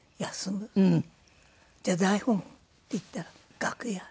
「じゃあ台本」って言ったら「楽屋」。